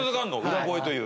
裏声という。